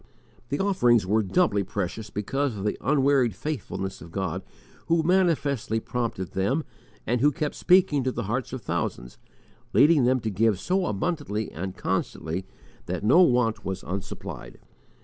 The offerings were doubly precious because of the unwearied faithfulness of God who manifestly prompted them, and who kept speaking to the hearts of thousands, leading them to give so abundantly and constantly that no want was unsupplied.